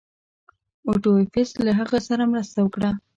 اوټو ایفز له هغه سره مرسته وکړه.